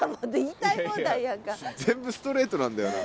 全部ストレートなんだよな。